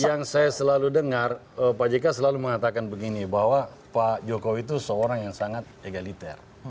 yang saya selalu dengar pak jk selalu mengatakan begini bahwa pak jokowi itu seorang yang sangat egaliter